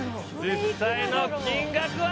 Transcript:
実際の金額は？